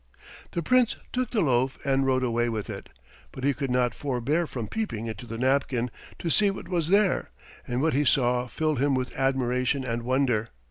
The Prince took the loaf and rode away with it, but he could not forbear from peeping into the napkin to see what was there, and what he saw filled him with admiration and wonder.